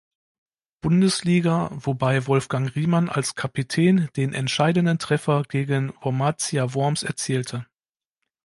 Bundesliga, wobei Wolfgang Riemann als Kapitän den entscheidenden Treffer gegen Wormatia Worms erzielte.